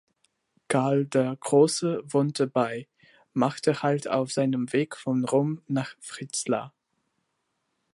Karl der Große wohnte bei, machte Halt auf seinem Weg von Rom nach Fritzlar.